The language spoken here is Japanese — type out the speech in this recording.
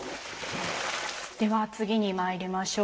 では次にまいりましょう。